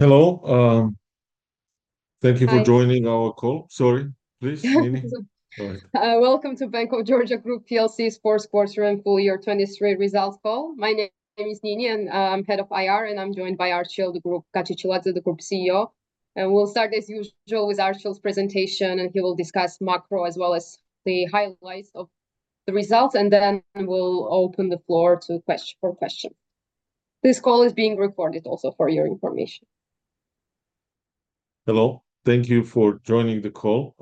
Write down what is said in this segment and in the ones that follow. Hello, thank you for joining our call. Sorry, please, Nini. Yeah, no problem. Go ahead. Welcome to Bank of Georgia Group PLC's Q3 and Full Year 2023 Results Call. My name is Nini, and I'm head of IR, and I'm joined by Archil Gachechiladze, the Group CEO. We'll start as usual with Archil's presentation, and he will discuss macro as well as the highlights of the results, and then we'll open the floor to questions. This call is being recorded, also for your information. Hello, thank you for joining the call.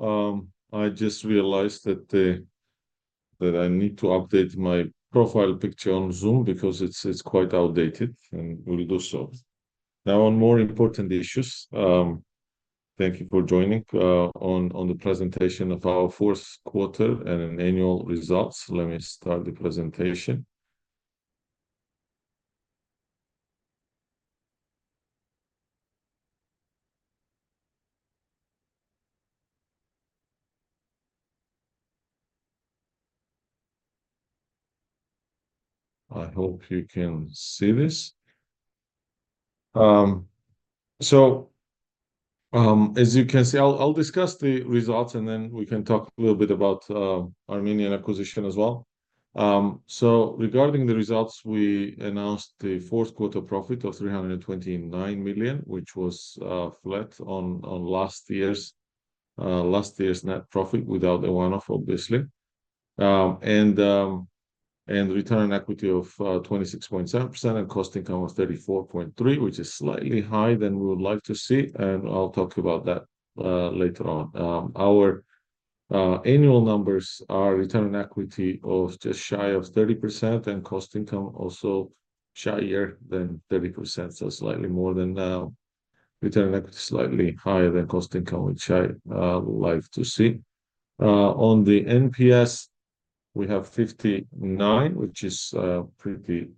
I just realized that, that I need to update my profile picture on Zoom because it's, it's quite outdated, and we'll do so. Now, on more important issues, thank you for joining, on, on the presentation of our fourth quarter and annual results. Let me start the presentation. I hope you can see this. As you can see, I'll, I'll discuss the results, and then we can talk a little bit about Armenian acquisition as well. Regarding the results, we announced the fourth quarter profit of GEL 329 million, which was flat on last year's, last year's net profit without the one-off, obviously. And return on equity of 26.7%, and cost income of 34.3%, which is slightly higher than we would like to see, and I'll talk about that later on. Our annual numbers are return on equity of just shy of 30%, and cost income also shy of rather than 30%, so slightly more than return on equity slightly higher than cost income, which I would like to see. On the NPS, we have 59, which is pretty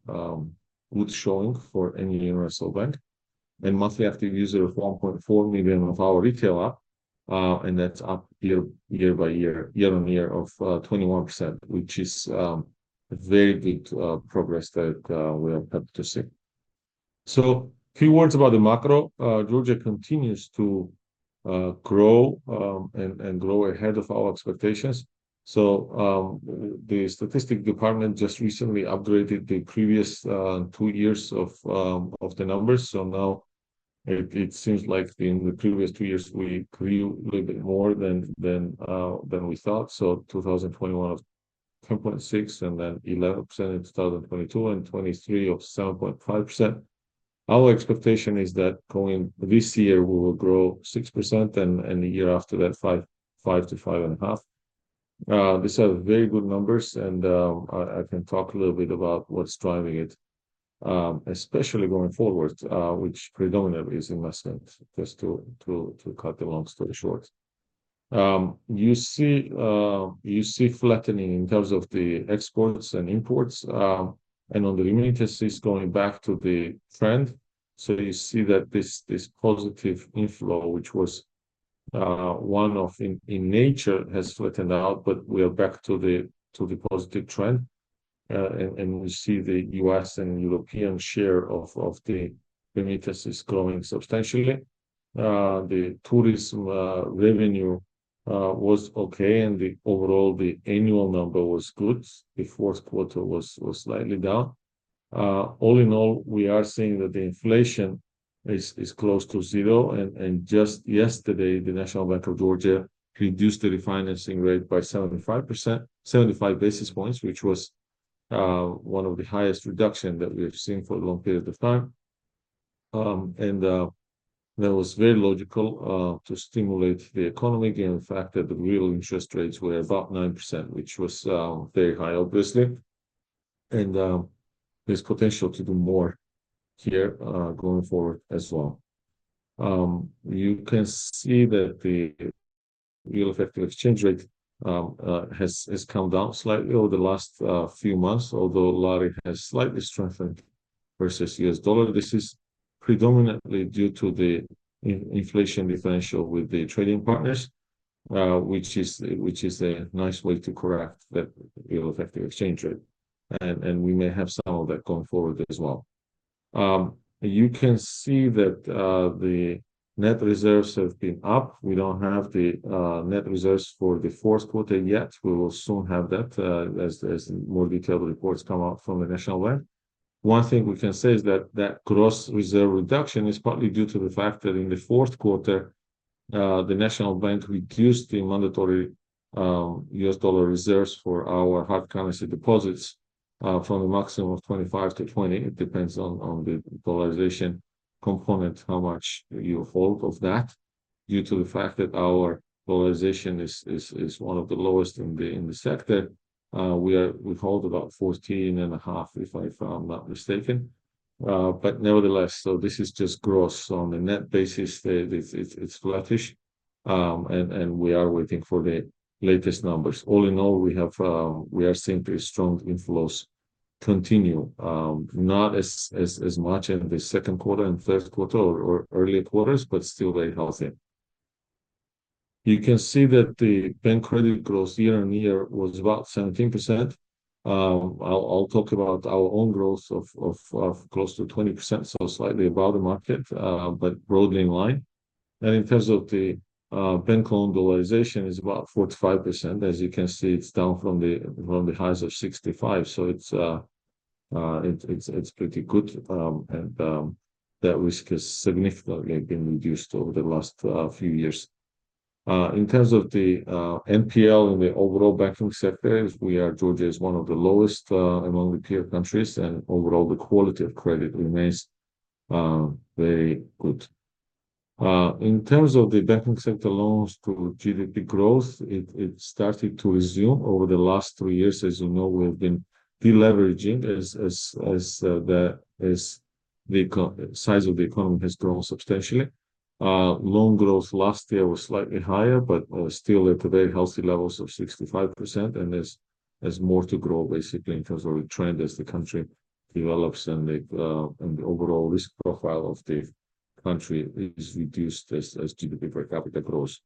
good showing for any universal bank. And monthly active user of 1.4 million of our retail app, and that's up year-on-year by 21%, which is very good progress that we are happy to see. So a few words about the macro. Georgia continues to grow and grow ahead of our expectations. So the statistics department just recently upgraded the previous two years of the numbers. So now it seems like in the previous two years we grew a little bit more than we thought. So 2021 of 10.6%, and then 11% in 2022, and 2023 of 7.5%. Our expectation is that going this year we will grow 6% and the year after that 5%-5.5%. These are very good numbers, and I can talk a little bit about what's driving it, especially going forward, which predominantly is investment, just to cut the long story short. You see flattening in terms of the exports and imports, and on the remaining tasks going back to the trend. So you see that this positive inflow, which was one-off in nature has flattened out, but we are back to the positive trend. And we see the US and European share of the remittances growing substantially. The tourism revenue was okay, and overall the annual number was good. The fourth quarter was slightly down. All in all, we are seeing that the inflation is close to zero, and just yesterday the National Bank of Georgia reduced the refinancing rate by 75 basis points, which was one of the highest reductions that we have seen for a long period of time. That was very logical to stimulate the economy given the fact that the real interest rates were about 9%, which was very high, obviously. There's potential to do more here, going forward as well. You can see that the real effective exchange rate has come down slightly over the last few months, although Lari has slightly strengthened versus U.S. dollar. This is predominantly due to the inflation differential with the trading partners, which is a nice way to correct that real effective exchange rate. We may have some of that going forward as well. You can see that the net reserves have been up. We don't have the net reserves for the fourth quarter yet. We will soon have that, as more detailed reports come out from the National Bank. One thing we can say is that that gross reserve reduction is partly due to the fact that in the fourth quarter, the National Bank reduced the mandatory U.S. dollar reserves for our hard currency deposits, from the maximum of 25 to 20. It depends on the dollarization component how much you hold of that. Due to the fact that our dollarization is one of the lowest in the sector, we hold about 14.5% if I'm not mistaken. But nevertheless, this is just gross. On the net basis, it's flattish. And we are waiting for the latest numbers. All in all, we are seeing pretty strong inflows continue, not as much in the second quarter and third quarter or earlier quarters, but still very healthy. You can see that the bank credit growth year-on-year was about 17%. I'll talk about our own growth of close to 20%, so slightly above the market, but broadly in line. And in terms of the bank loan dollarization, it's about 45%. As you can see, it's down from the highs of 65%. So it's pretty good, and that risk has significantly been reduced over the last few years. In terms of the NPL in the overall banking sector, we are, Georgia is one of the lowest among the peer countries, and overall the quality of credit remains very good. In terms of the banking sector loans to GDP growth, it started to resume over the last three years. As you know, we have been deleveraging as the size of the economy has grown substantially. Loan growth last year was slightly higher, but still at very healthy levels of 65%, and there's more to grow basically in terms of the trend as the country develops and the overall risk profile of the country is reduced as GDP per capita grows.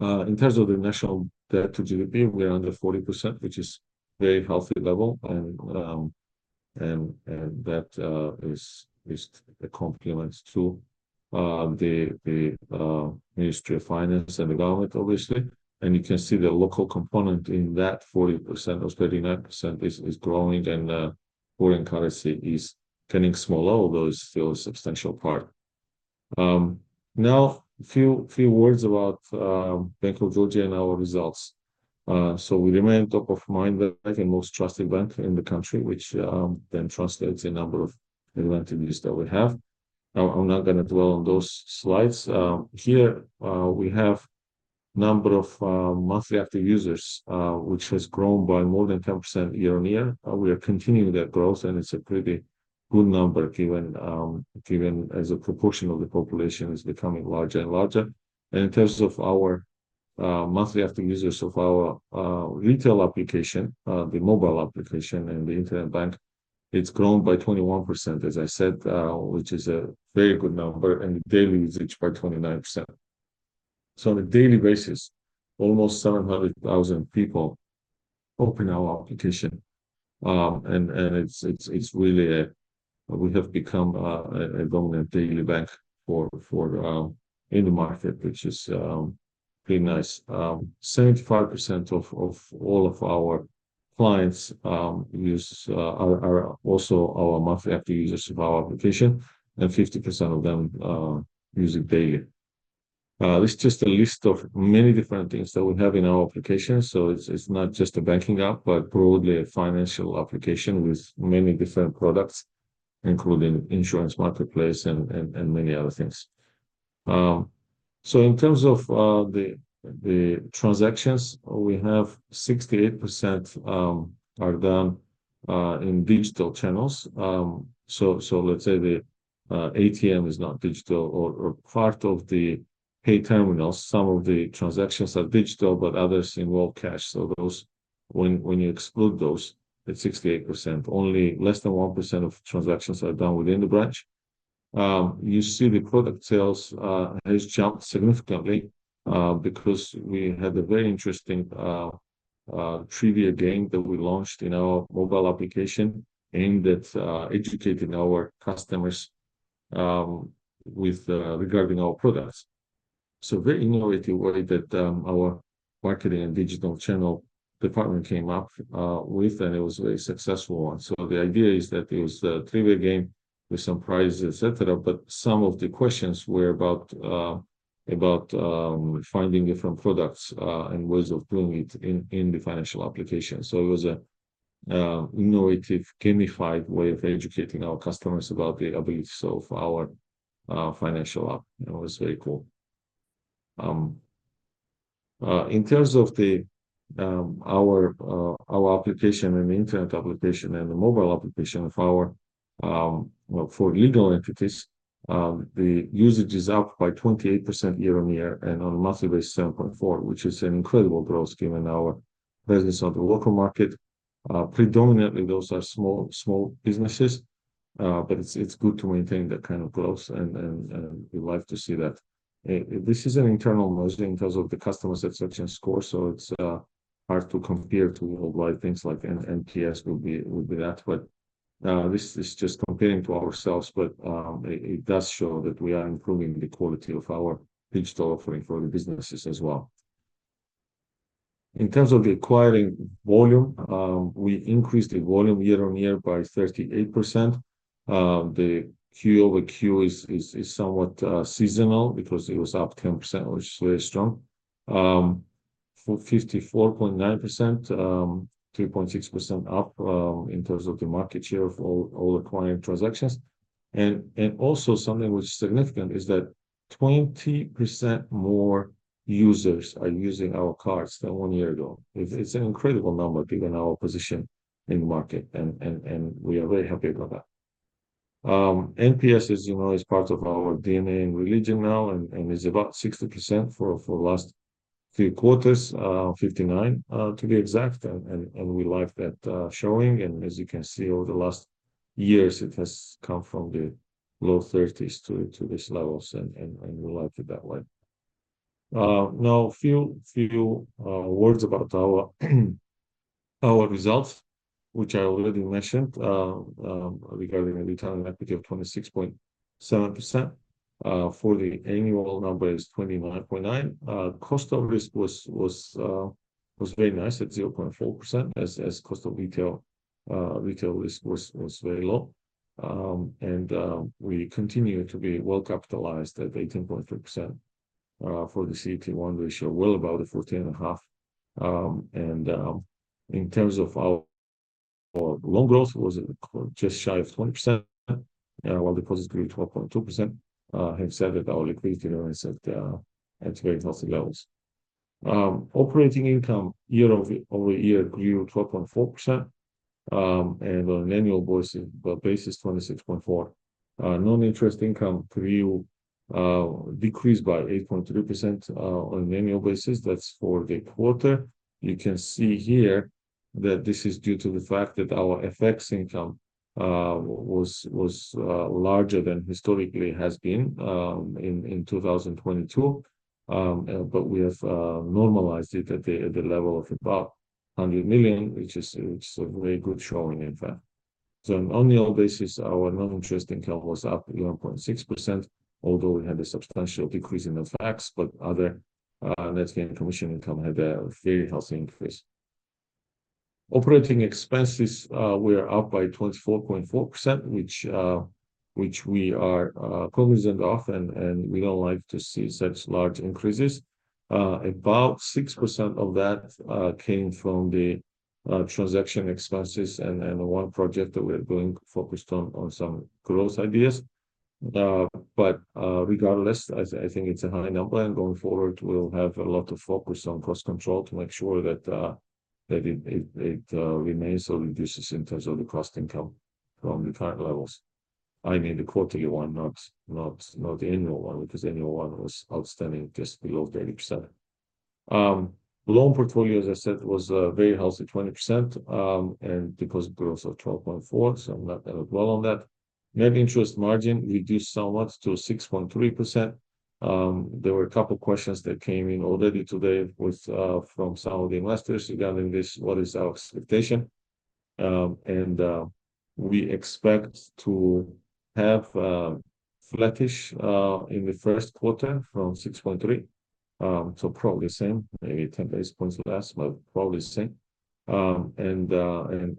In terms of the national debt to GDP, we are under 40%, which is a very healthy level, and that is a compliment to the Ministry of Finance and the government, obviously. You can see the local component in that 40% or 39% is growing, and foreign currency is getting smaller, although it's still a substantial part. Now a few words about Bank of Georgia and our results. So we remain top of mind, the most trusted bank in the country, which then translates to a number of advantages that we have. I'm not going to dwell on those slides. Here, we have a number of monthly active users, which has grown by more than 10% year-on-year. We are continuing that growth, and it's a pretty good number given as a proportion of the population is becoming larger and larger. And in terms of our monthly active users of our retail application, the mobile application and the internet bank, it's grown by 21%, as I said, which is a very good number, and the daily usage by 29%. So on a daily basis, almost 700,000 people open our application. And it's really, we have become a dominant daily bank for in the market, which is pretty nice. 75% of all of our clients are also our monthly active users of our application, and 50% of them use it daily. This is just a list of many different things that we have in our application. So it's not just a banking app, but broadly a financial application with many different products, including insurance marketplace and many other things. So in terms of the transactions, we have 68% are done in digital channels. So let's say the ATM is not digital or part of the pay terminals. Some of the transactions are digital, but others involve cash. So those, when you exclude those, it's 68%. Only less than 1% of transactions are done within the branch. You see the product sales has jumped significantly, because we had a very interesting trivia game that we launched in our mobile application aimed at educating our customers regarding our products. So a very innovative way that our marketing and digital channel department came up with, and it was a very successful one. So the idea is that it was a trivia game with some prizes, etc., but some of the questions were about finding different products, and ways of doing it in the financial application. So it was an innovative gamified way of educating our customers about the abilities of our financial app. It was very cool. In terms of our application and the internet application and the mobile application, well, for legal entities, the usage is up by 28% year-over-year and on a monthly basis 7.4%, which is an incredible growth given our business on the local market. Predominantly those are small businesses. But it's good to maintain that kind of growth, and we like to see that. This is an internal measure in terms of the customer satisfaction score. So it's hard to compare to whole life things like NPS would be that, but this is just comparing to ourselves, but it does show that we are improving the quality of our digital offering for the businesses as well. In terms of the acquiring volume, we increased the volume year-over-year by 38%. The Q over Q is somewhat seasonal because it was up 10%, which is very strong. 54.9%, 3.6% up in terms of the market share of all acquired transactions. And also something which is significant is that 20% more users are using our cards than one year ago. It's an incredible number given our position in the market, and we are very happy about that. NPS, as you know, is part of our DNA and religion now and is about 60% for the last three quarters, 59%, to be exact. And we like that showing. And as you can see, over the last years, it has come from the low 30s to these levels, and we like it that way. Now a few words about our results, which I already mentioned, regarding the return on equity of 26.7%. For the annual number is 29.9%. Cost of risk was very nice at 0.4% as cost of retail risk was very low. We continue to be well capitalized at 18.3% for the CET1 ratio. We're about a 14.5%. In terms of our loan growth, it was just shy of 20%. While deposits grew 12.2%, have said that our liquidity remains at very healthy levels. Operating income year over year grew 12.4%. And on an annual basis, 26.4%. Non-interest income grew, decreased by 8.3%, on an annual basis. That's for the quarter. You can see here that this is due to the fact that our FX income was larger than historically has been in 2022. But we have normalized it at the level of about GEL 100 million, which is a very good showing, in fact. So on an annual basis, our non-interest income was up 11.6%, although we had a substantial decrease in FX, but other net gain commission income had a very healthy increase. Operating expenses, we are up by 24.4%, which we are cognizant of and we don't like to see such large increases. About 6% of that came from the transaction expenses and the one project that we are doing focused on some growth ideas. But regardless, I think it's a high number and going forward we'll have a lot of focus on cost control to make sure that it remains or reduces in terms of the cost income from the current levels. I mean the quarterly one, not the annual one because annual one was outstanding just below 30%. Loan portfolio, as I said, was very healthy, 20%, and deposit growth of 12.4%, so I'm not that well on that. Net interest margin reduced somewhat to 6.3%. There were a couple of questions that came in already today from some of the investors regarding this, what is our expectation? And we expect to have flattish in the first quarter from 6.3%. So probably the same, maybe 10 basis points less, but probably the same. And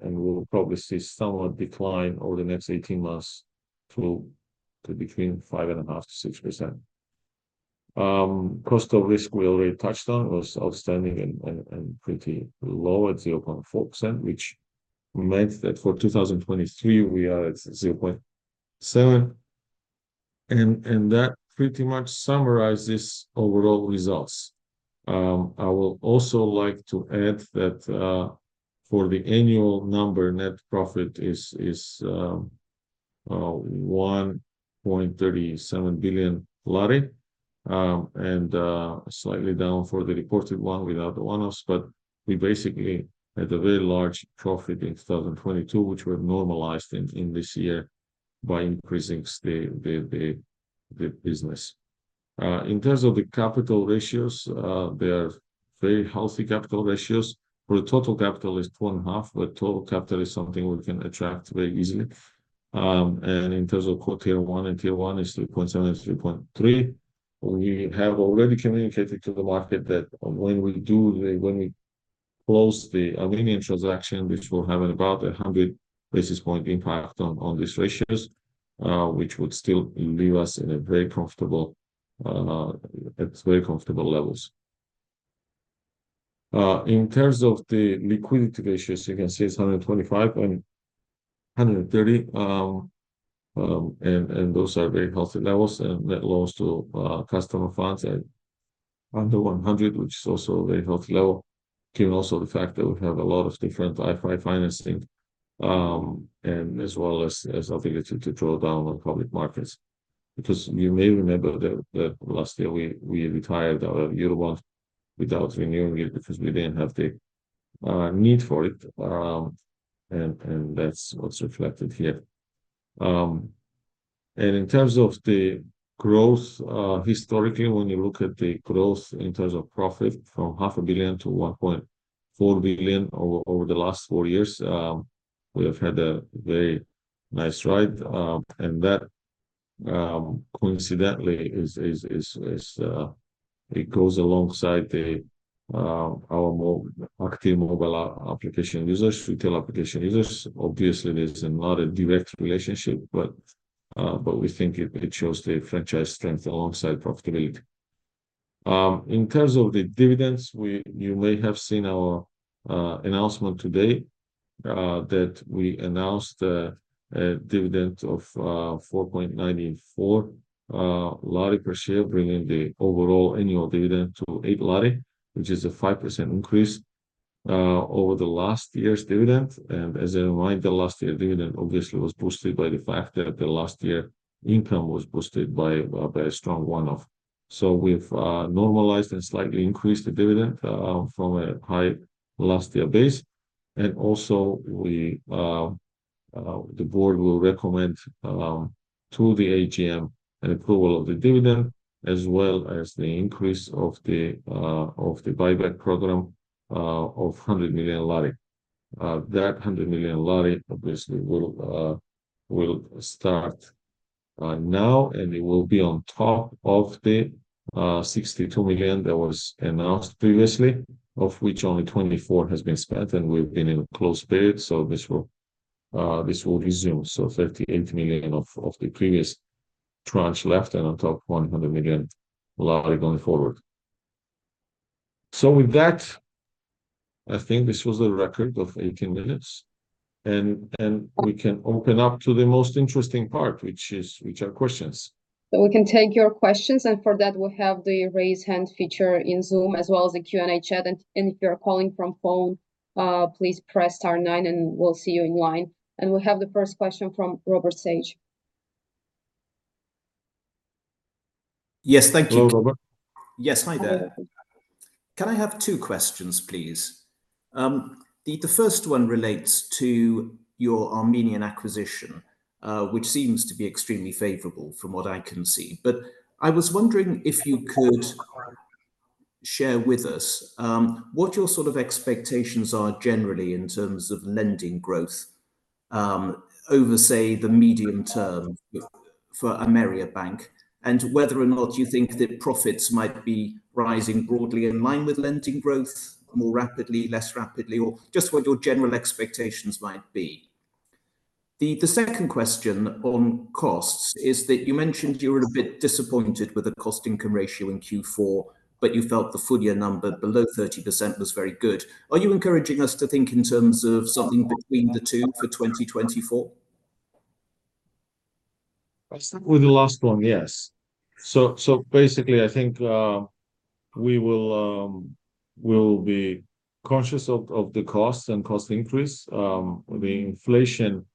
we'll probably see somewhat decline over the next 18 months to between 5.5%-6%. Cost of risk we already touched on was outstanding and pretty low at 0.4%, which meant that for 2023 we are at 0.7%. And that pretty much summarizes overall results. I will also like to add that, for the annual number, net profit is GEL 1.37 billion. And slightly down for the reported one without the one-offs, but we basically had a very large profit in 2022, which were normalized in this year by increasing the business. In terms of the capital ratios, they are very healthy capital ratios. For the total capital is 2.5%, but total capital is something we can attract very easily. In terms of CET1 and Tier 1, it is 3.7% and 3.3%. We have already communicated to the market that when we close the Armenian transaction, this will have about 100 basis points impact on these ratios, which would still leave us in a very comfortable levels. In terms of the liquidity ratios, you can see it's 125% and 130%. Those are very healthy levels and net loans to customer funds at under 100%, which is also a very healthy level, given also the fact that we have a lot of different diversified financing, and as well as the ability to draw down on public markets. Because you may remember that last year we retired our Eurobond without renewing it because we didn't have the need for it. That's what's reflected here. In terms of the growth, historically, when you look at the growth in terms of profit from GEL 0.5 billion to GEL 1.4 billion over the last four years, we have had a very nice ride. And that, coincidentally, is; it goes alongside our more active mobile application users, retail application users. Obviously, there's not a direct relationship, but we think it shows the franchise strength alongside profitability. In terms of the dividends, you may have seen our announcement today that we announced a dividend of 4.94 GEL per share, bringing the overall annual dividend to 8 GEL, which is a 5% increase over last year's dividend. As a reminder, last year's dividend obviously was boosted by the fact that last year's income was boosted by a strong one-off. So we've normalized and slightly increased the dividend from a high last year base. And also we, the board will recommend to the AGM an approval of the dividend as well as the increase of the buyback program of GEL 100 million. That GEL 100 million obviously will start now and it will be on top of the GEL 62 million that was announced previously, of which only 24% has been spent and we've been in a close period. So this will resume. So GEL 38 million of the previous tranche left and on top GEL 100 million going forward. So with that, I think this was the record of 18 minutes. And we can open up to the most interesting part, which are questions. So we can take your questions and for that we have the raise hand feature in Zoom as well as the Q&A chat. And if you're calling from phone, please press star nine and we'll see you in line. And we have the first question from Robert Sage. Yes, thank you. Hello, Robert. Yes, hi there. Can I have two questions, please? The first one relates to your Armenian acquisition, which seems to be extremely favorable from what I can see. But I was wondering if you could share with us, what your sort of expectations are generally in terms of lending growth, over, say, the medium term for AmeriaBank and whether or not you think that profits might be rising broadly in line with lending growth, more rapidly, less rapidly, or just what your general expectations might be. The second question on costs is that you mentioned you were a bit disappointed with the cost income ratio in Q4, but you felt the full year number below 30% was very good. Are you encouraging us to think in terms of something between the two for 2024? I think with the last one, yes. So basically I think we will, we'll be conscious of the cost and cost increase. The inflation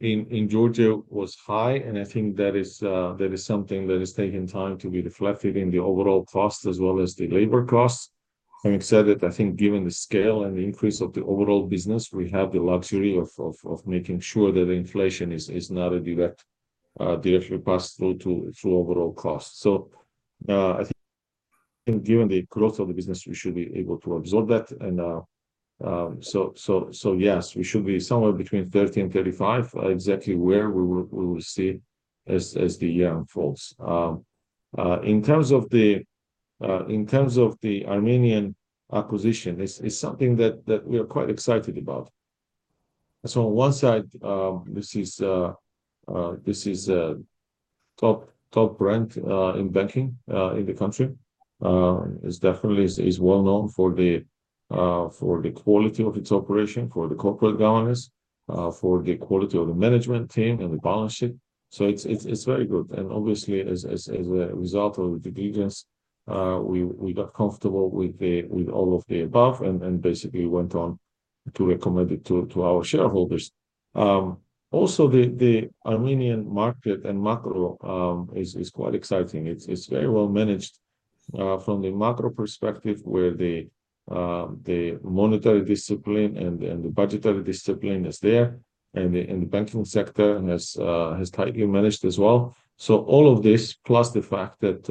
in Georgia was high and I think that is something that is taking time to be reflected in the overall cost as well as the labor costs. Having said that, I think given the scale and the increase of the overall business, we have the luxury of making sure that inflation is not directly passed through to overall costs. So, I think given the growth of the business, we should be able to absorb that and, so yes, we should be somewhere between 30% and 35%, exactly where we will see as the year unfolds. In terms of the Armenian acquisition, it's something that we are quite excited about. So on one side, this is a top brand in banking in the country. It's definitely well known for the quality of its operation, for the corporate governance, for the quality of the management team and the balance sheet. So it's very good. And obviously, as a result of the diligence, we got comfortable with all of the above and basically went on to recommend it to our shareholders. Also the Armenian market and macro is quite exciting. It's very well managed, from the macro perspective where the monetary discipline and the budgetary discipline is there and the banking sector has tightly managed as well. So all of this, plus the fact that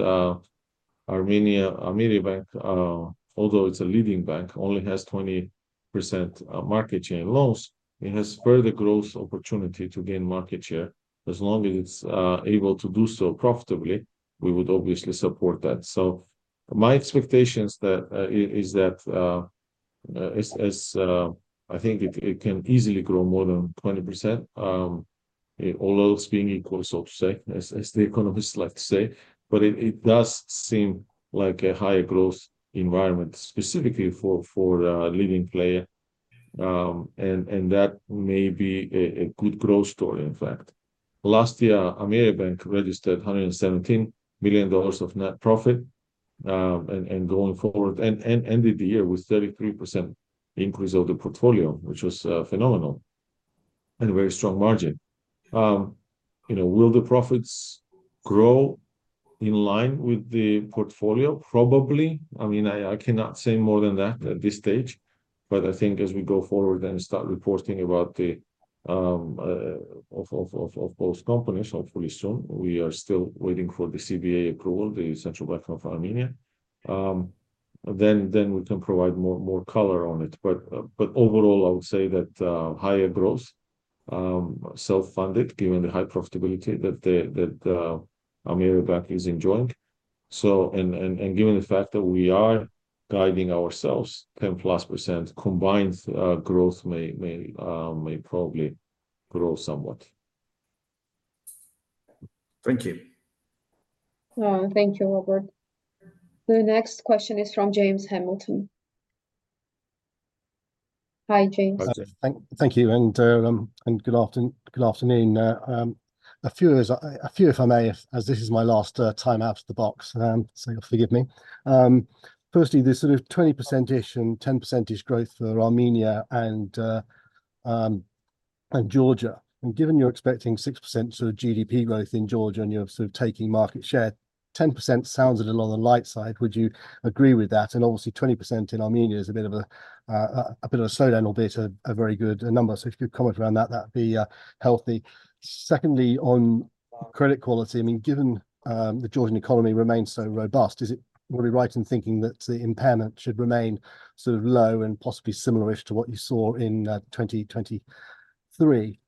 Armenia, Ameriabank, although it's a leading bank, only has 20% market share in loans, it has further growth opportunity to gain market share. As long as it's able to do so profitably, we would obviously support that. So my expectations that is that, as I think it can easily grow more than 20%, all else being equal, so to say, as the economists like to say. But it does seem like a higher growth environment specifically for a leading player. And that may be a good growth story, in fact. Last year, Ameriabank registered $117 million of net profit, and going forward and ended the year with 33% increase of the portfolio, which was phenomenal and very strong margin. You know, will the profits grow in line with the portfolio? Probably. I mean, I cannot say more than that at this stage. But I think as we go forward and start reporting about the of both companies, hopefully soon, we are still waiting for the CBA approval, the Central Bank of Armenia. Then we can provide more color on it. But overall, I would say that higher growth, self-funded, given the high profitability that the Ameriabank is enjoying. So, and given the fact that we are guiding ourselves 10%+ combined growth may probably grow somewhat. Thank you. Thank you, Robert. The next question is from James Hamilton. Hi, James. Thank you. And good afternoon. A few if I may, as this is my last time out of the box, so you'll forgive me. Firstly, the sort of 20%-ish and 10%-ish growth for Armenia and Georgia. And given you're expecting 6% sort of GDP growth in Georgia and you're sort of taking market share, 10% sounds a little on the light side. Would you agree with that? And obviously, 20% in Armenia is a bit of a slowdown, albeit a very good number. So if you could comment around that, that'd be healthy. Secondly, on credit quality, I mean, given the Georgian economy remains so robust, would it be right in thinking that the impairment should remain sort of low and possibly similar-ish to what you saw in 2023?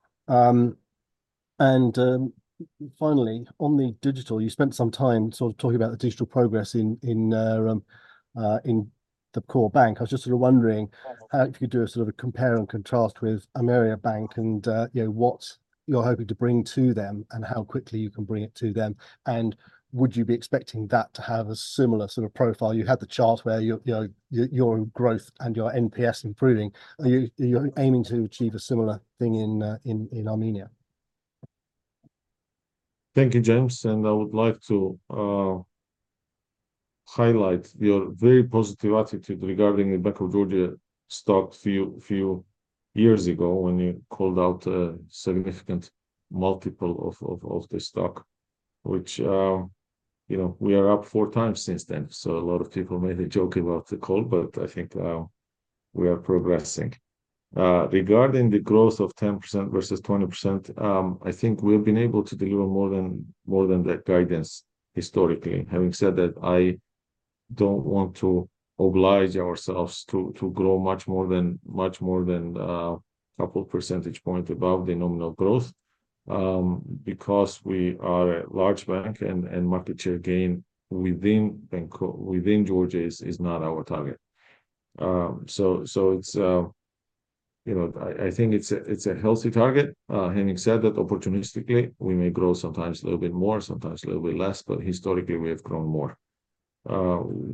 Finally, on the digital, you spent some time sort of talking about the digital progress in the core bank. I was just sort of wondering how if you could do a sort of a compare and contrast with Ameriabank and, you know, what you're hoping to bring to them and how quickly you can bring it to them. And would you be expecting that to have a similar sort of profile? You had the chart where your growth and your NPS improving. Are you aiming to achieve a similar thing in Armenia? Thank you, James. I would like to highlight your very positive attitude regarding the Bank of Georgia stock a few years ago when you called out a significant multiple of the stock, which, you know, we are up four times since then. So a lot of people made a joke about the call, but I think we are progressing. Regarding the growth of 10% versus 20%, I think we have been able to deliver more than, more than that guidance historically. Having said that, I don't want to oblige ourselves to, to grow much more than, much more than a couple percentage points above the nominal growth, because we are a large bank and, and market share gain within Bank of Georgia is, is not our target. So, so it's, you know, I, I think it's a, it's a healthy target. Having said that, opportunistically, we may grow sometimes a little bit more, sometimes a little bit less, but historically we have grown more.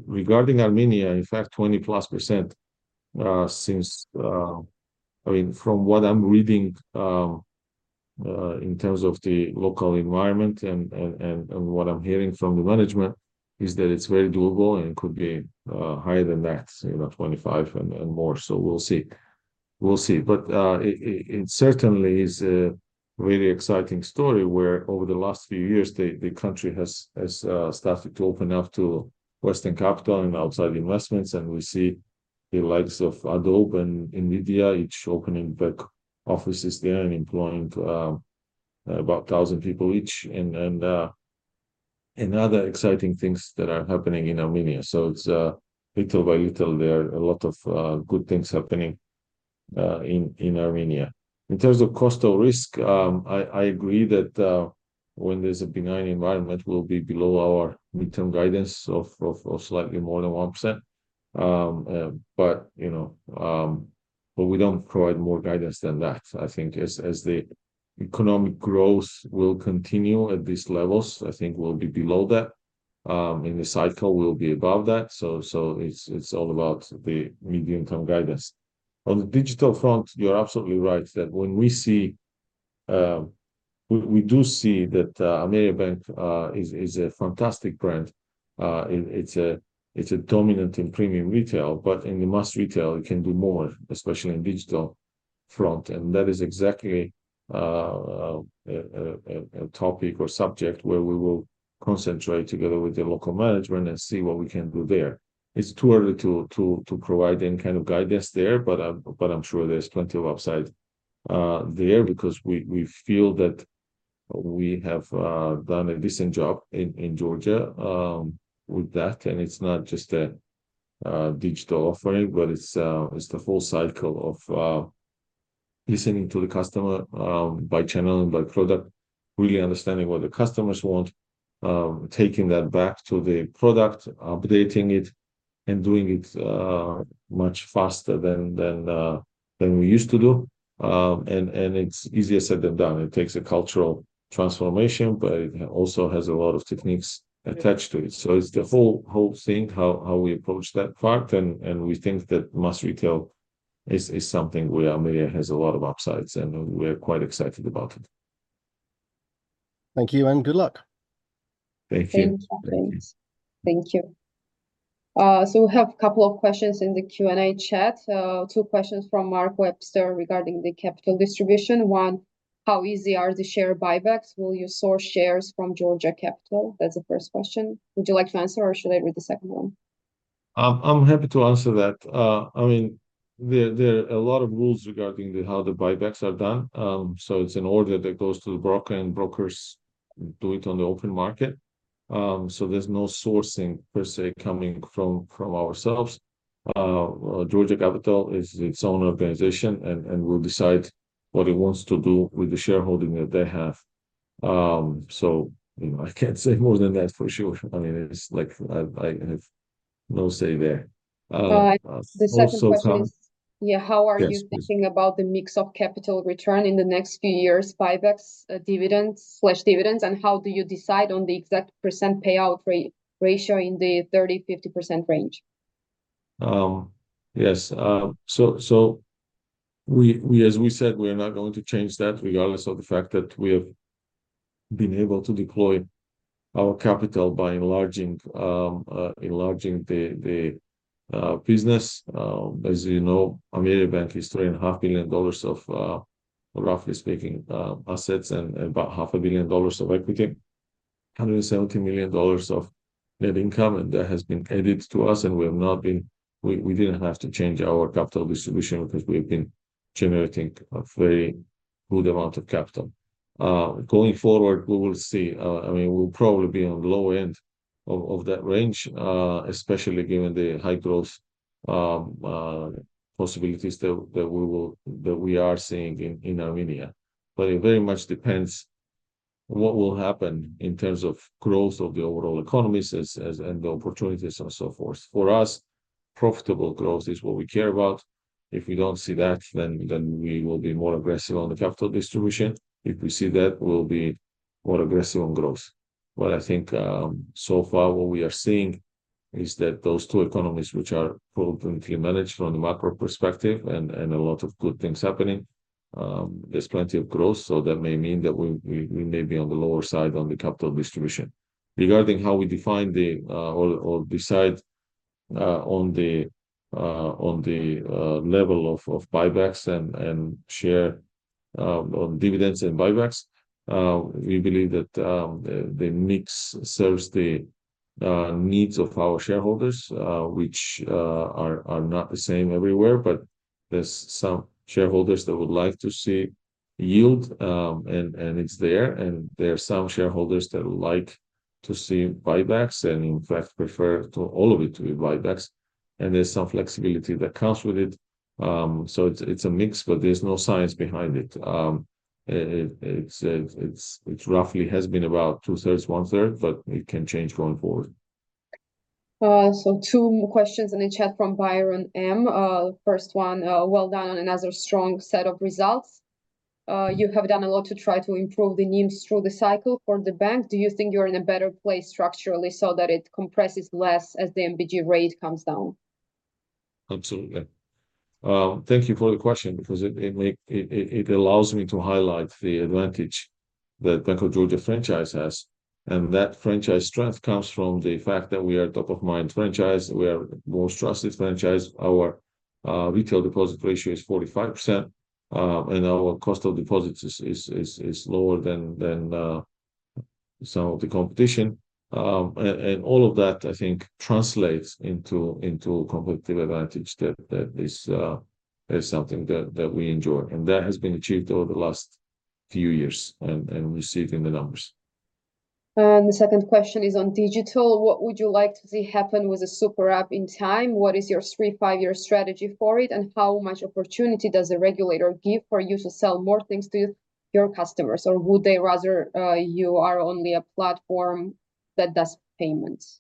regarding Armenia, in fact, 20%+, since, I mean, from what I'm reading, in terms of the local environment and what I'm hearing from the management is that it's very doable and it could be higher than that, you know, 25% and more. So we'll see. We'll see. But it certainly is a very exciting story where over the last few years, the country has started to open up to Western capital and outside investments. And we see the likes of Adobe and Nvidia each opening back offices there and employing about 1,000 people each and other exciting things that are happening in Armenia. So it's little by little, there are a lot of good things happening in Armenia. In terms of cost or risk, I agree that, when there's a benign environment, we'll be below our midterm guidance of slightly more than 1%. But, you know, we don't provide more guidance than that. I think as the economic growth will continue at these levels, I think we'll be below that. In the cycle, we'll be above that. So, it's all about the medium-term guidance. On the digital front, you're absolutely right that when we see, we do see that Ameriabank is a fantastic brand. It's a dominant in premium retail, but in the mass retail, it can do more, especially in digital front. And that is exactly a topic or subject where we will concentrate together with the local management and see what we can do there. It's too early to provide any kind of guidance there, but I'm sure there's plenty of upside there because we feel that we have done a decent job in Georgia with that. And it's not just a digital offering, but it's the whole cycle of listening to the customer by channel and by product, really understanding what the customers want, taking that back to the product, updating it, and doing it much faster than we used to do. And it's easier said than done. It takes a cultural transformation, but it also has a lot of techniques attached to it. So it's the whole thing, how we approach that part. And we think that mass retail is something where Ameria has a lot of upsides and we're quite excited about it. Thank you and good luck. Thank you. Thank you. Thank you. We have a couple of questions in the Q&A chat. Two questions from Mark Webster regarding the capital distribution. One, how easy are the share buybacks? Will you source shares from Georgia Capital? That's the first question. Would you like to answer or should I read the second one? I'm happy to answer that. I mean, there are a lot of rules regarding how the buybacks are done. It's an order that goes to the broker and brokers do it on the open market. There's no sourcing per se coming from ourselves. Georgia Capital is its own organization and will decide what it wants to do with the shareholding that they have. You know, I can't say more than that for sure. I mean, it's like I have no say there. The second question is, yeah, how are you thinking about the mix of capital return in the next few years, buybacks, dividends, and how do you decide on the exact percent payout ratio in the 30%-50% range? Yes. So we, as we said, we are not going to change that regardless of the fact that we have been able to deploy our capital by enlarging the business. As you know, Ameriabank is $3.5 billion of, roughly speaking, assets and about $500 million of equity, $170 million of net income, and that has been added to us. We have not been, we didn't have to change our capital distribution because we have been generating a very good amount of capital. Going forward, we will see. I mean, we'll probably be on the low end of that range, especially given the high growth possibilities that we are seeing in Armenia. But it very much depends what will happen in terms of growth of the overall economies and the opportunities and so forth. For us, profitable growth is what we care about. If we don't see that, then we will be more aggressive on the capital distribution. If we see that, we'll be more aggressive on growth. But I think, so far, what we are seeing is that those two economies, which are prudently managed from the macro perspective and a lot of good things happening, there's plenty of growth. So that may mean that we may be on the lower side on the capital distribution. Regarding how we define or decide on the level of buybacks and dividends and buybacks, we believe that the mix serves the needs of our shareholders, which are not the same everywhere. But there's some shareholders that would like to see yield, and it's there. And there are some shareholders that like to see buybacks and, in fact, prefer all of it to be buybacks. And there's some flexibility that comes with it. So it's a mix, but there's no science behind it. It roughly has been about two-thirds, one-third, but it can change going forward. So two questions in the chat from Byron M. First one, well done on another strong set of results. You have done a lot to try to improve the NIMs through the cycle for the bank. Do you think you're in a better place structurally so that it compresses less as the MBG rate comes down? Absolutely. Thank you for the question because it makes it allows me to highlight the advantage that Bank of Georgia franchise has. That franchise strength comes from the fact that we are top-of-mind franchise. We are a more trusted franchise. Our retail deposit ratio is 45%. Our cost of deposit is lower than some of the competition. All of that, I think, translates into competitive advantage that is something that we enjoy. That has been achieved over the last few years and we see it in the numbers. The second question is on digital. What would you like to see happen with a super app in time? What is your 3-5-year strategy for it? And how much opportunity does the regulator give for you to sell more things to your customers? Or would they rather you are only a platform that does payments?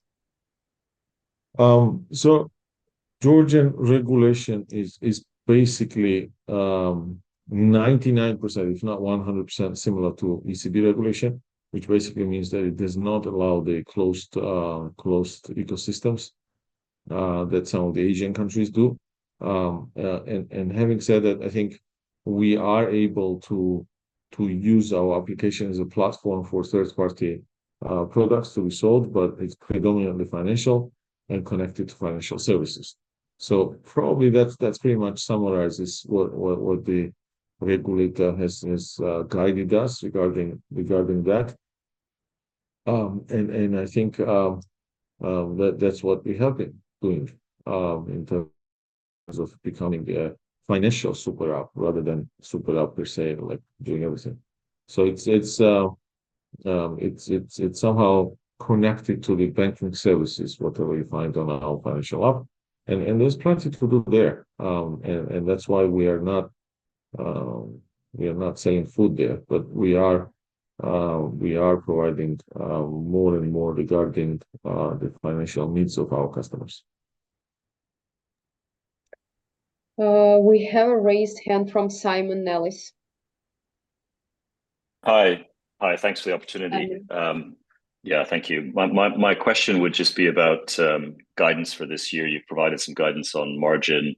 So Georgian regulation is basically 99%, if not 100%, similar to ECB regulation, which basically means that it does not allow the closed ecosystems that some of the Asian countries do. And having said that, I think we are able to use our application as a platform for third-party products to be sold, but it's predominantly financial and connected to financial services. So probably that's pretty much what summarizes what the regulator has guided us regarding that. And I think that's what we have been doing, in terms of becoming a financial super app rather than super app per se, like doing everything. So it's somehow connected to the banking services, whatever you find on our financial app. And there's plenty to do there. And that's why we are not selling food there, but we are providing more and more regarding the financial needs of our customers. We have a raised hand from Simon Nellis. Hi. Hi. Thanks for the opportunity. Yeah, thank you. My question would just be about guidance for this year. You've provided some guidance on margin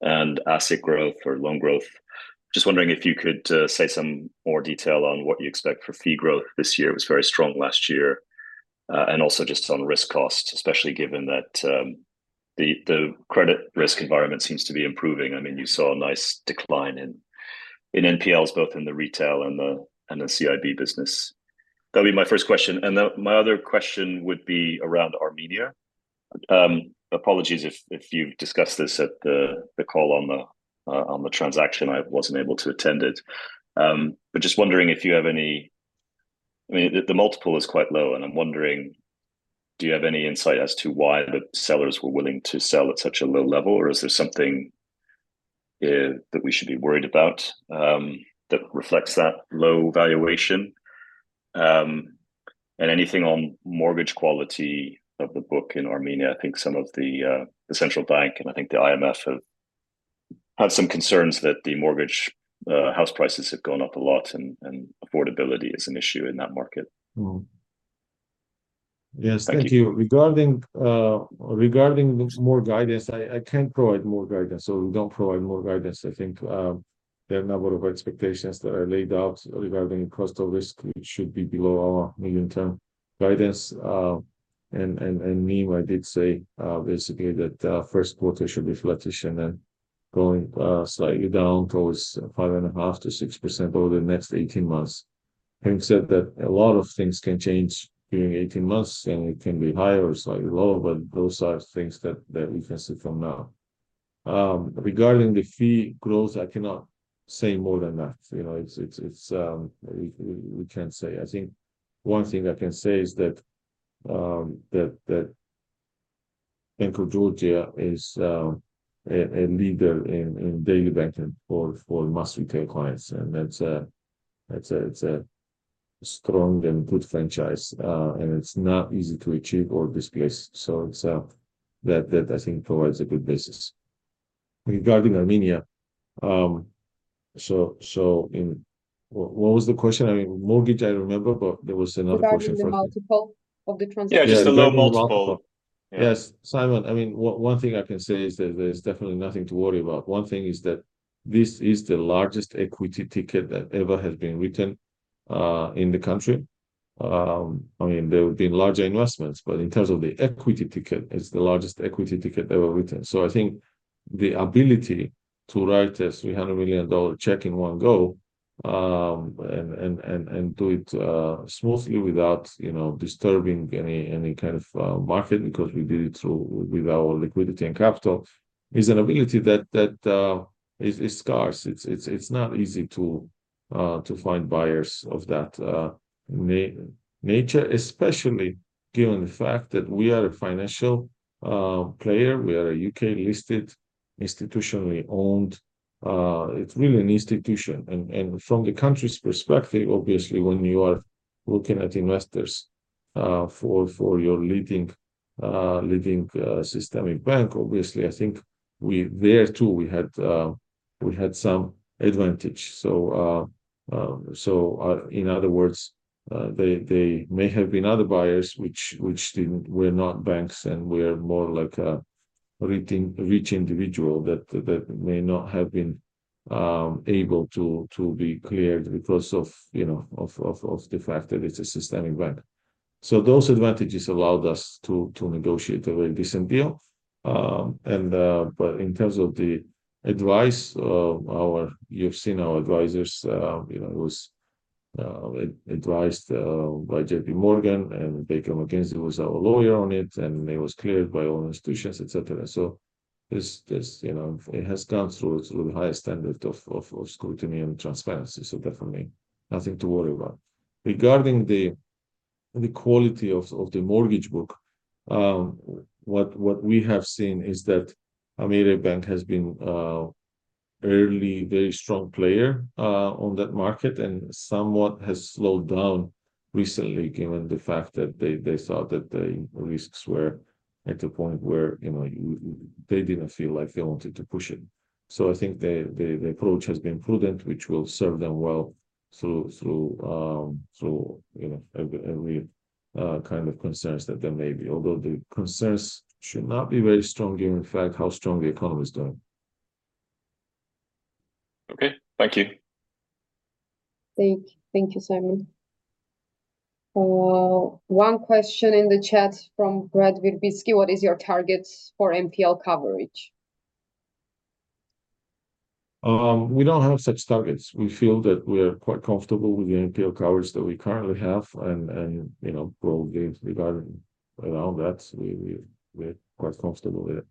and asset growth or loan growth. Just wondering if you could say some more detail on what you expect for fee growth this year. It was very strong last year. And also just on risk costs, especially given that the credit risk environment seems to be improving. I mean, you saw a nice decline in NPLs, both in the retail and the CIB business. That would be my first question. And then my other question would be around Armenia. Apologies if you've discussed this at the call on the transaction. I wasn't able to attend it. But just wondering if you have any, I mean, the multiple is quite low. And I'm wondering, do you have any insight as to why the sellers were willing to sell at such a low level? Or is there something that we should be worried about, that reflects that low valuation? And anything on mortgage quality of the book in Armenia? I think some of the central bank and I think the IMF have had some concerns that the mortgage house prices have gone up a lot and affordability is an issue in that market. Yes. Thank you. Regarding more guidance, I can't provide more guidance. So we don't provide more guidance. I think there are a number of expectations that are laid out regarding the cost of risk, which should be below our medium-term guidance. And NIM, I did say basically that first quarter should be flattish and then going slightly down towards 5.5%-6% over the next 18 months. Having said that, a lot of things can change during 18 months and it can be high or slightly low, but those are things that we can see from now. Regarding the fee growth, I cannot say more than that. You know, we can't say. I think one thing I can say is that Bank of Georgia is a leader in daily banking for mass retail clients. And that's a strong and good franchise. And it's not easy to achieve or displace. So that I think provides a good basis. Regarding Armenia, so what was the question? I mean, mortgage, I remember, but there was another question for me. Regarding the multiple of the transaction? Yeah, just the low multiple. Yes. Simon, I mean, one thing I can say is that there's definitely nothing to worry about. One thing is that this is the largest equity ticket that ever has been written in the country. I mean, there have been larger investments, but in terms of the equity ticket, it's the largest equity ticket ever written. So I think the ability to write a $300 million check in one go, and do it smoothly without, you know, disturbing any kind of market because we did it through with our liquidity and capital is an ability that is scarce. It's not easy to find buyers of that nature, especially given the fact that we are a financial player. We are a U.K.-listed, institutionally owned. It's really an institution. And from the country's perspective, obviously, when you are looking at investors for your leading systemic bank, obviously, I think we're there too, we had some advantage. So, in other words, they may have been other buyers, which didn't, we were not banks and we were more like a rich individual that may not have been able to be cleared because of, you know, the fact that it's a systemic bank. So those advantages allowed us to negotiate a very decent deal. But in terms of the advice, you've seen our advisors, you know, it was advised by J.P. Morgan and Baker McKenzie was our lawyer on it and it was cleared by all institutions, etc. So this, you know, it has gone through the highest standard of scrutiny and transparency. So definitely nothing to worry about. Regarding the quality of the mortgage book, what we have seen is that Ameriabank has been early very strong player on that market and somewhat has slowed down recently given the fact that they thought that the risks were at a point where, you know, they didn't feel like they wanted to push it. So I think the approach has been prudent, which will serve them well through, you know, every kind of concerns that there may be, although the concerns should not be very strong given the fact how strong the economy is doing. Okay. Thank you. Thank you, Simon. One question in the chat from Brad Wirbitzky. What is your target for NPL coverage? We don't have such targets. We feel that we are quite comfortable with the NPL coverage that we currently have and, you know, growth gains regarding that. We're quite comfortable with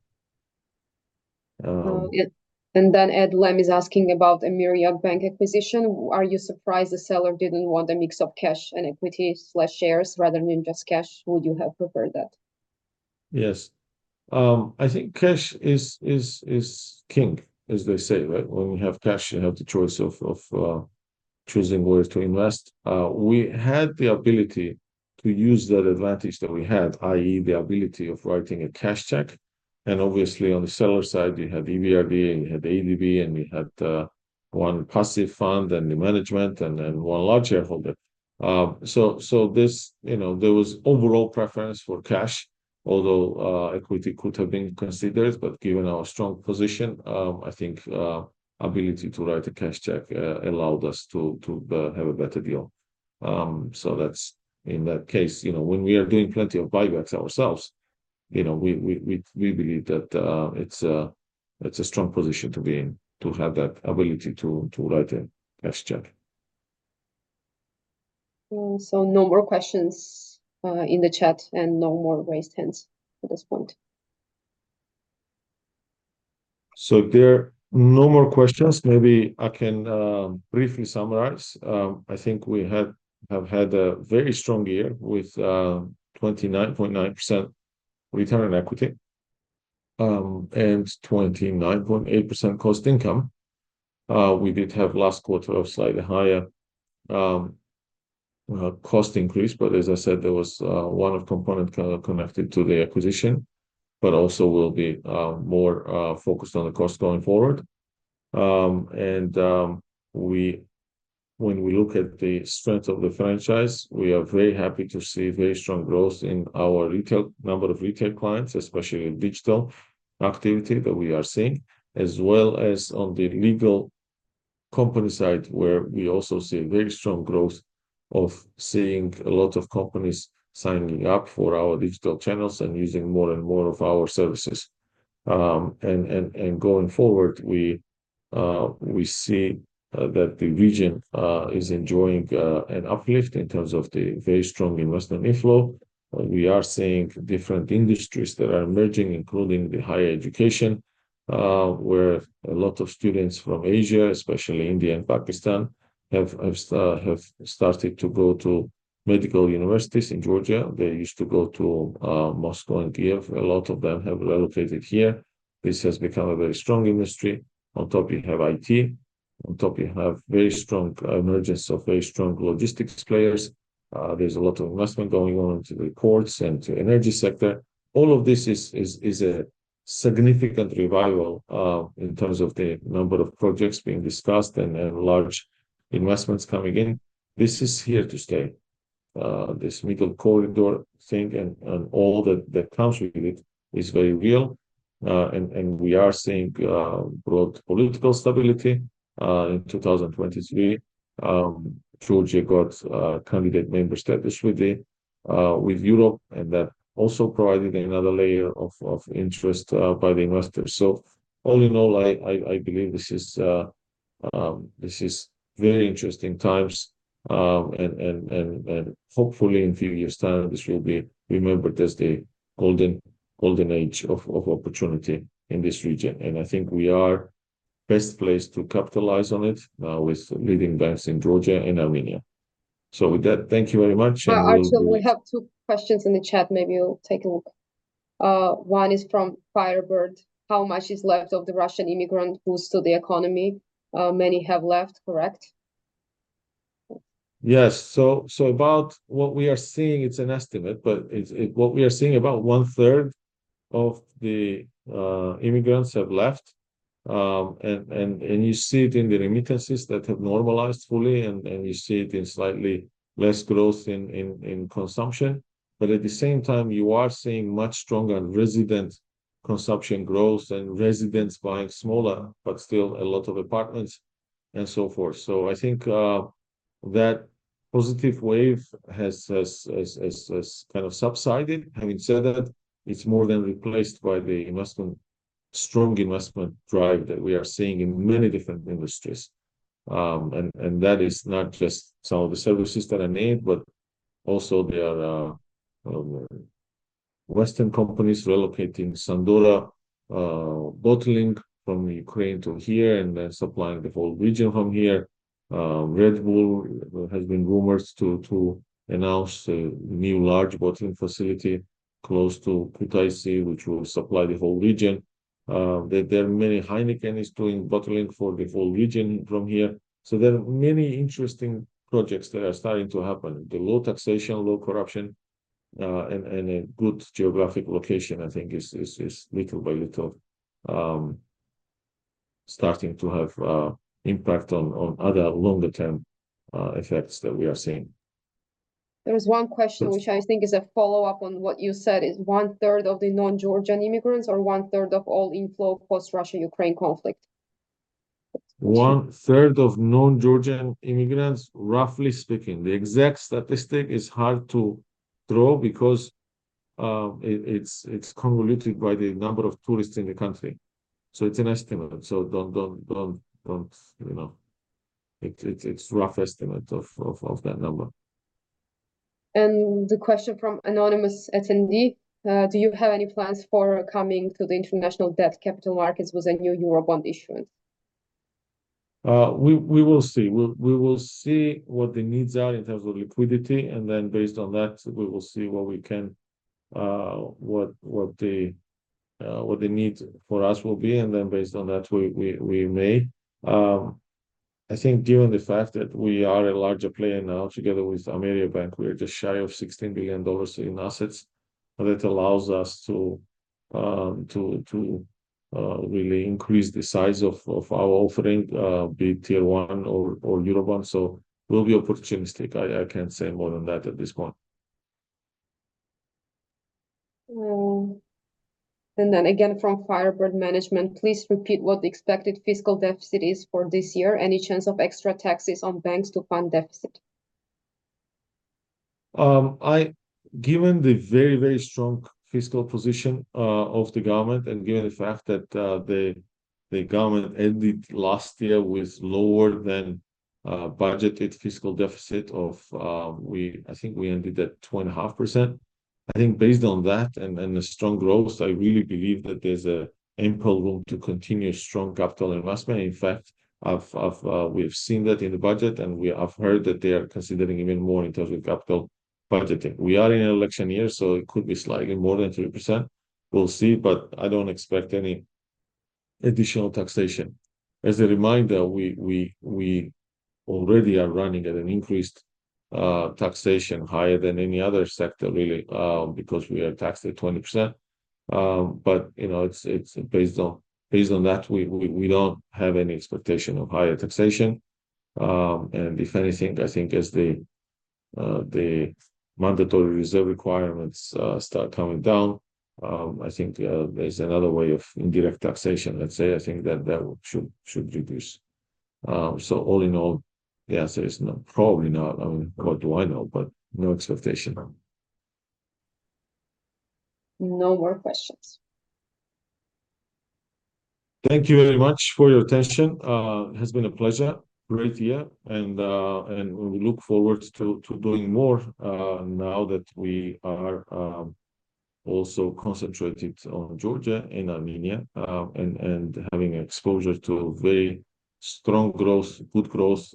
it. Then Ed Lam is asking about the Ameriabank acquisition. Are you surprised the seller didn't want a mix of cash and equity slash shares rather than just cash? Would you have preferred that? Yes. I think cash is king, as they say, right? When you have cash, you have the choice of choosing where to invest. We had the ability to use that advantage that we had, i.e., the ability of writing a cash check. And obviously, on the seller side, you had EBRD and you had ADB and you had one passive fund and the management and one large shareholder. So, you know, there was overall preference for cash, although equity could have been considered. But given our strong position, I think ability to write a cash check allowed us to have a better deal. So that's in that case, you know, when we are doing plenty of buybacks ourselves, you know, we believe that it's a strong position to be in, to have that ability to write a cash check. So no more questions in the chat and no more raised hands at this point. So if there are no more questions, maybe I can briefly summarize. I think we have had a very strong year with 29.9% return on equity and 29.8% cost income. We did have last quarter of slightly higher cost increase. But as I said, there was one of the components kind of connected to the acquisition, but also will be more focused on the cost going forward. And when we look at the strength of the franchise, we are very happy to see very strong growth in our retail number of retail clients, especially digital activity that we are seeing, as well as on the legal company side where we also see a very strong growth of seeing a lot of companies signing up for our digital channels and using more and more of our services. And going forward, we see that the region is enjoying an uplift in terms of the very strong investment inflow. We are seeing different industries that are emerging, including the higher education, where a lot of students from Asia, especially India and Pakistan, have started to go to medical universities in Georgia. They used to go to Moscow and Kyiv. A lot of them have relocated here. This has become a very strong industry. On top, you have IT. On top, you have very strong emergence of very strong logistics players. There's a lot of investment going on into the ports and to the energy sector. All of this is a significant revival, in terms of the number of projects being discussed and large investments coming in. This is here to stay. This Middle Corridor thing and all that that comes with it is very real. And we are seeing broad political stability in 2023. Georgia got candidate member status with Europe, and that also provided another layer of interest by the investors. So all in all, I believe this is very interesting times. Hopefully in a few years' time, this will be remembered as the golden age of opportunity in this region. And I think we are best place to capitalize on it now with leading banks in Georgia and Armenia. So with that, thank you very much. And we have two questions in the chat. Maybe you'll take a look. One is from Firebird. How much is left of the Russian immigrant boost to the economy? Many have left, correct? Yes. So about what we are seeing, it's an estimate, but it's what we are seeing, about one-third of the immigrants have left. You see it in the remittances that have normalized fully, and you see it in slightly less growth in consumption. But at the same time, you are seeing much stronger resident consumption growth and residents buying smaller, but still a lot of apartments and so forth. So I think that positive wave has kind of subsided. Having said that, it's more than replaced by the strong investment drive that we are seeing in many different industries. And that is not just some of the services that are needed, but also there are Western companies relocating Sandora bottling from Ukraine to here and then supplying the whole region from here. Red Bull has been rumored to announce a new large bottling facility close to Kutaisi, which will supply the whole region. There are many. Heineken is doing bottling for the whole region from here. So there are many interesting projects that are starting to happen. The low taxation, low corruption, and a good geographic location, I think, is little by little starting to have impact on other longer-term effects that we are seeing. There is one question which I think is a follow-up on what you said. Is one-third of the non-Georgian immigrants or one-third of all inflow post-Russia-Ukraine conflict? One-third of non-Georgian immigrants, roughly speaking. The exact statistic is hard to know because it's convoluted by the number of tourists in the country. So it's an estimate. So don't you know, it's a rough estimate of that number. And the question from anonymous attendee. Do you have any plans for coming to the international debt capital markets with a new eurobond issuance? We will see. We will see what the needs are in terms of liquidity. And then based on that, we will see what we can, what the need for us will be. And then based on that, we may. I think given the fact that we are a larger player now together with Ameriabank, we are just shy of $16 billion in assets. That allows us to really increase the size of our offering, be Tier 1 or eurobond. So it will be opportunistic. I can't say more than that at this point. And then again from Firebird Management, please repeat what the expected fiscal deficit is for this year. Any chance of extra taxes on banks to fund deficit? Given the very, very strong fiscal position of the government and given the fact that the government ended last year with lower than budgeted fiscal deficit of 2.5%. I think based on that and the strong growth, I really believe that there's ample room to continue strong capital investment. In fact, we've seen that in the budget and we have heard that they are considering even more in terms of capital budgeting. We are in an election year, so it could be slightly more than 3%. We'll see, but I don't expect any additional taxation. As a reminder, we already are running at an increased taxation higher than any other sector, really, because we are taxed at 20%. But, you know, it's based on that, we don't have any expectation of higher taxation. And if anything, I think as the mandatory reserve requirements start coming down, I think, there's another way of indirect taxation, let's say. I think that should reduce. So all in all, the answer is no, probably not. I mean, what do I know, but no expectation. No more questions. Thank you very much for your attention. It has been a pleasure. Great year. And we look forward to doing more, now that we are also concentrated on Georgia and Armenia, and having exposure to very strong growth, good growth,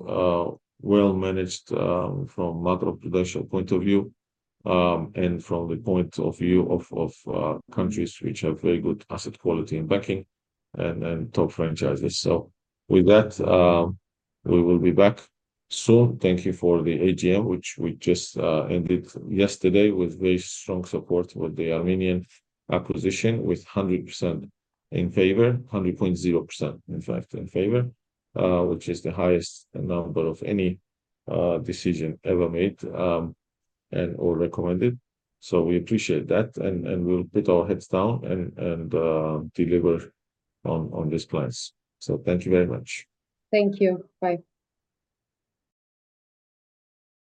well-managed, from macroprudential point of view, and from the point of view of countries which have very good asset quality and backing and top franchises. So with that, we will be back soon. Thank you for the AGM, which we just ended yesterday with very strong support with the Armenian acquisition with 100% in favor, 100.0%, in fact, in favor, which is the highest number of any decision ever made and/or recommended. So we appreciate that and we'll put our heads down and deliver on these plans. So thank you very much. Thank you. Bye.